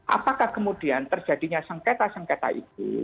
apakah kemudian terjadinya sengketa sengketa itu